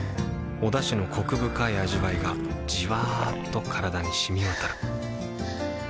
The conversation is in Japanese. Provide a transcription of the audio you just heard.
おだしのコク深い味わいがじわっと体に染み渡るはぁ。